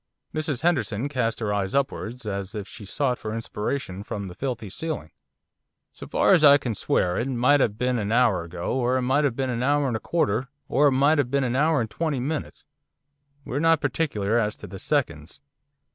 Mrs Henderson cast her eyes upwards, as if she sought for inspiration from the filthy ceiling. 'So far as I can swear it might 'ave been a hour ago, or it might 'ave been a hour and a quarter, or it might 'ave been a hour and twenty minutes ' 'We're not particular as to the seconds.